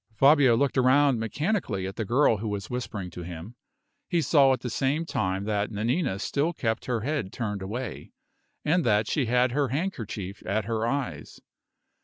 Fabio looked around mechanically at the girl who was whispering to him. He saw at the same time that Nanina still kept her head turned away, and that she had her handkerchief at her eyes.